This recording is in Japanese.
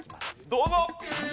どうぞ！